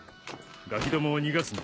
ガキどもを逃がすな。